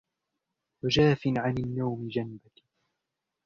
وَجَافٍ عَنْ النَّوْمِ جَنْبَك